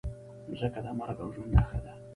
مځکه د مرګ او ژوند نښه ده.